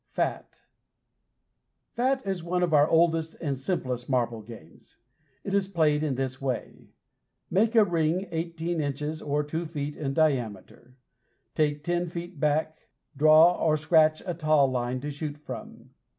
FAT Fat is one of our oldest and simplest marble games. It is played in this way: Make a ring eighteen inches or two feet in diameter; ten feet back draw or scratch a taw line to shoot from.